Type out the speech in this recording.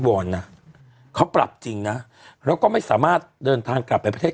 วอนนะเขาปรับจริงนะแล้วก็ไม่สามารถเดินทางกลับไปประเทศ